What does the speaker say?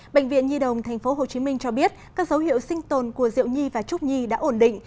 bệnh viện nhi đồng tp hcm cho biết các dấu hiệu sinh tồn của diệu nhi và trúc nhi đã ổn định